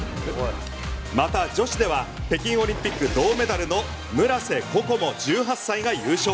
また女子では北京オリンピック銅メダルの村瀬心椛、１８歳が優勝。